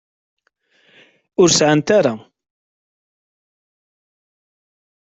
Ur sεant ara.